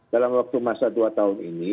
dalam waktu masa dua tahun ini